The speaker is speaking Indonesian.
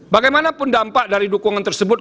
bagaimanapun dampak dari dukungan tersebut